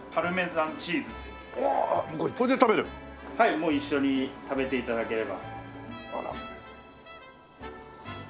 もう一緒に食べて頂ければ。